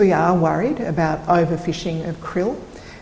karena kita khawatir tentang kerel yang terlalu banyak